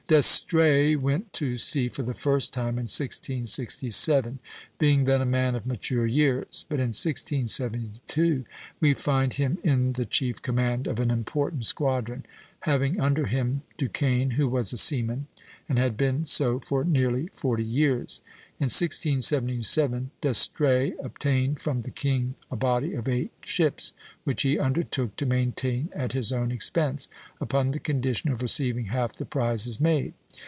D'Estrées went to sea for the first time in 1667, being then a man of mature years; but in 1672 we find him in the chief command of an important squadron, having under him Duquesne, who was a seaman, and had been so for nearly forty years. In 1677, D'Estrées obtained from the king a body of eight ships which he undertook to maintain at his own expense, upon the condition of receiving half the prizes made.